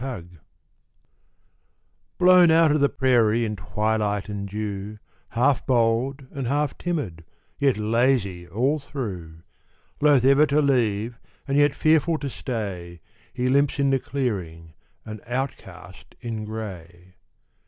COYOTE Blown out of the prairie in twilight and dew, Half bold and half timid, yet lazy all through; Loath ever to leave, and yet fearful to stay, He limps in the clearing, an outcast in gray.